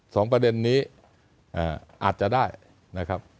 สองประเด็นนี้อาจจะได้นะครับ